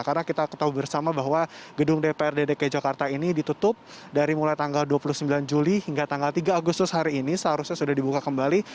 karena kita tahu bersama bahwa gedung dprd dki jakarta ini ditutup dari mulai tanggal dua puluh sembilan juli hingga tanggal tiga agustus hari ini seharusnya sudah dibuka kembali